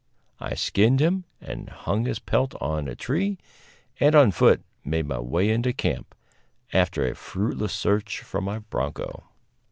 I skinned him and hung his pelt on a tree; and, on foot, made my way into camp, after a fruitless search for my bronco.